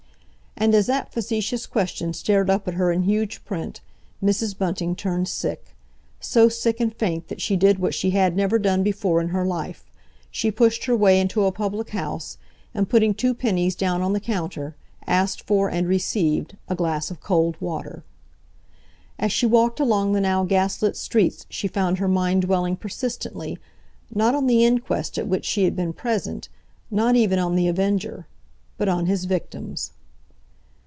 And as that facetious question stared up at her in huge print, Mrs. Bunting turned sick—so sick and faint that she did what she had never done before in her life—she pushed her way into a public house, and, putting two pennies down on the counter, asked for, and received, a glass of cold water. As she walked along the now gas lit streets, she found her mind dwelling persistently—not on the inquest at which she had been present, not even on The Avenger, but on his victims.